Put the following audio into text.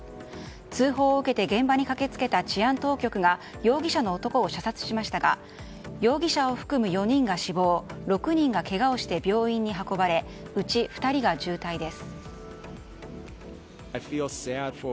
通報を受けて現場に駆け付けた治安当局が容疑者の男を射殺しましたが容疑者を含む４人が死亡６人がけがをして病院に運ばれうち２人が重体です。